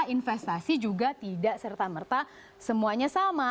investasi juga tidak serta merta semuanya sama